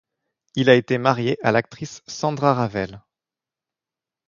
Il a été marié à l'actrice Sandra Ravel.